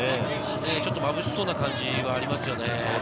ちょっとまぶしそうな感じはありますよね。